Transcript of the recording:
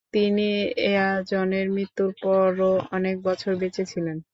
তিনি এয়াজেনের মৃত্যুর পরও অনেক বছর বেঁচেছিলেন।